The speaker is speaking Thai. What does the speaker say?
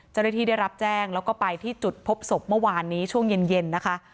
เจ้าหน้าที่ได้รับแจ้งแล้วก็ไปที่จุดพบศพเมื่อวานนี้ช่วงเย็นนะคะ